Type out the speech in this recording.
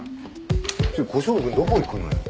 小勝負君どこ行くのよ？